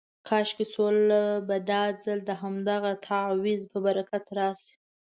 کاشکې سوله به دا ځل د همدغه تعویض په برکت راشي.